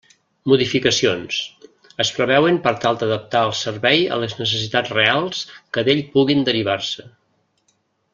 Modificacions: es preveuen per tal d'adaptar el servei a les necessitats reals que d'ell puguin derivar-se.